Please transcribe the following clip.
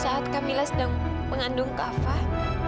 saat kamila sedang mengandung kak fah